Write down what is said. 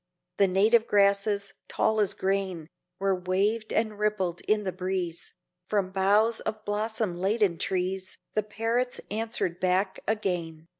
The native grasses, tall as grain, Were waved and rippled in the breeze; From boughs of blossom laden trees The parrots answered back again.